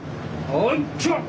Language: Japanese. おいっちょ。